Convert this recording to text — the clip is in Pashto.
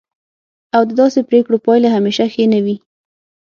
او د داسې پریکړو پایلې همیشه ښې نه وي.